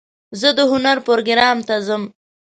زه د هنر پروګرام ته ځم.